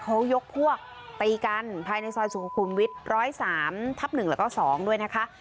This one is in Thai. เขายกพวกปีกันภายในซอยสุขคุมวิทร้อยสามทับหนึ่งแล้วก็สองด้วยนะคะ